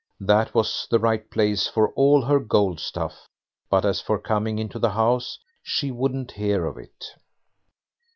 That was the right place for all her gold stuff, but as for coming into the house, she wouldn't hear of it.